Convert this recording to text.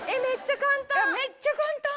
めっちゃ簡単！